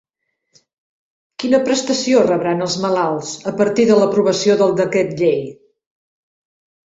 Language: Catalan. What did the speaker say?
Quina prestació rebran els malalts a partir de l'aprovació del decret llei?